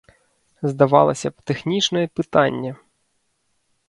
Здавалася б, тэхнічнае пытанне.